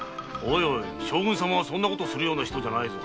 将軍様はそんなことをするような人じゃないぞ。